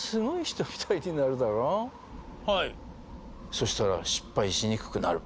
そしたら失敗しにくくなる。